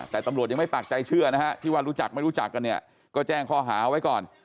แต่ตำรวจยังไม่ปากใจเชื่อนะฮะที่ว่ารู้จักไม่รู้จักกันเนี่ยก็แจ้งข้อหาไว้ก่อน